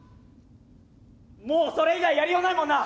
もうそれ以外やりようないもんな！